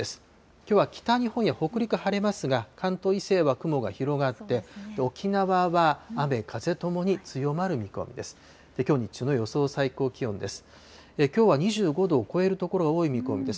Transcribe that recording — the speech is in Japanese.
きょうは北日本や北陸、晴れますが、関東以西は雲が広がって、沖縄は雨、風ともに強まる見込みです。